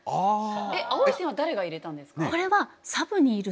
青い線は誰が入れたんですか？